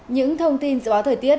những thông tin dự báo thời tiết